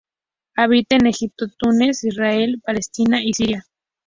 Habita en Egipto, Túnez, Israel, Palestina y Siria.